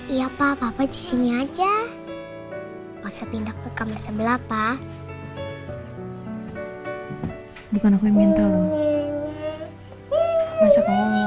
iya papa papa disini aja masa pindah ke kamar sebelah pak bukan aku yang minta